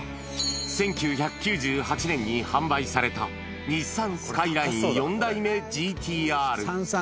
１９９８年に販売された日産、スカイライン４代目ＧＴーＲ。